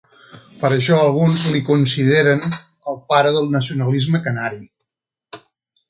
Per això alguns li consideren el pare del nacionalisme canari.